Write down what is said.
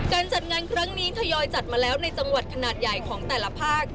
จัดงานครั้งนี้ทยอยจัดมาแล้วในจังหวัดขนาดใหญ่ของแต่ละภาค